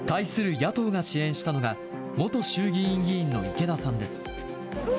野党が支援したのが、元衆議院議員の池田さんです。